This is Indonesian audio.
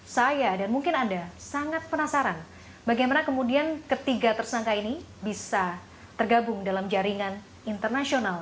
saya dan mungkin anda sangat penasaran bagaimana kemudian ketiga tersangka ini bisa tergabung dalam jaringan internasional